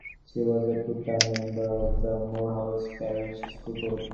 She was a two-term member of the Morehouse Parish School Board.